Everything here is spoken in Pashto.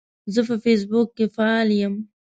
زه په فیسبوک کې فعال یم.